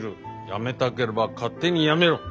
辞めたければ勝手に辞めろ。